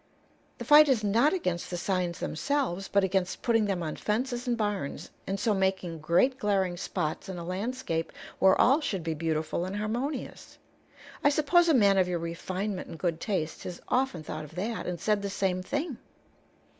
The fight is not against the signs themselves, but against putting them on fences and barns, and so making great glaring spots in a landscape where all should be beautiful and harmonious. I suppose a man of your refinement and good taste has often thought of that, and said the same thing."